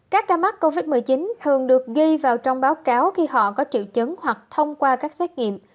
các ca mắc covid một mươi chín thường được ghi vào trong báo cáo khi họ có triệu chứng hoặc thông qua các xét nghiệm